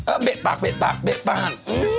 เออเบะปากเบะปากเบะปาก